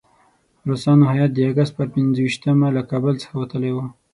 روسانو هیات د اګست پر پنځه ویشتمه له کابل څخه وتلی وو.